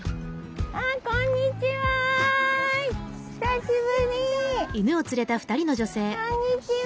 あこんにちは。